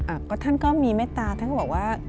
อ่ะก็ท่านก็มีแม่ตาท่านก็บอกว่า